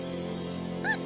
あっ！